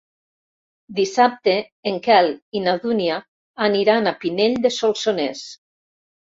Dissabte en Quel i na Dúnia aniran a Pinell de Solsonès.